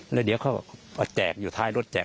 แล้วเดี๋ยวเขามาแจกอยู่ท้ายรถแจก